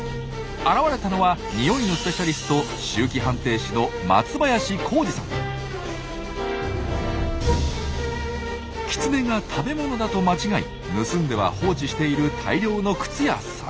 現れたのはニオイのスペシャリストキツネが食べ物だと間違い盗んでは放置している大量の靴やサンダル。